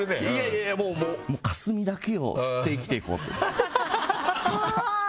もう霞だけを吸って生きていこうと。